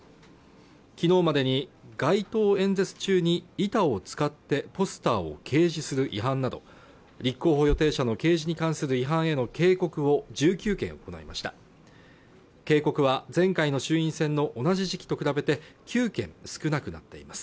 昨日までに街頭演説中に板を使ってポスターを掲示する違反など立候補予定者の掲示に関する違反への警告を１９件を行いました警告は前回の衆院選の同じ時期と比べて９件少なくなっています